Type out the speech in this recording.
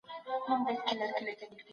يو بل سره خبر کړي، تر څو ډډه ځني وسي.